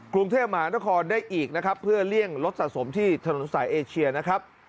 กรุงเทพมหานครได้อีกนะครับเพื่อเลี่ยงรถสะสมที่ถนนสายเอเชียนะครับ